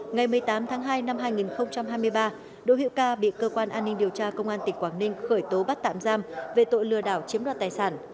ngày một mươi tám tháng hai năm hai nghìn hai mươi ba đỗ hữu ca bị cơ quan an ninh điều tra công an tỉnh quảng ninh khởi tố bắt tạm giam về tội lừa đảo chiếm đoạt tài sản